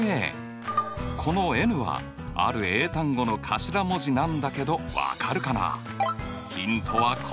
このｎはある英単語の頭文字なんだけど分かるかな？